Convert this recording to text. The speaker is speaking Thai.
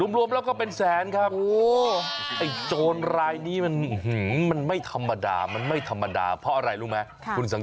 อื้ออืะมันไม่ธรรมดามันไม่ธรรมดาเพราะอะไรรู้มั้ยคุณสัง